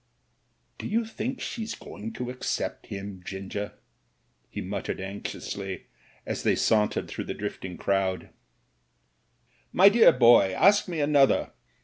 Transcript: "Do you think she's going to accept him. Ginger?" he muttered anxiously, as they sauntered through the drifting crowd. "My dear boy, ask me another.